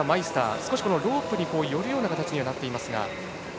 少しロープに寄るような形にはなっていますが。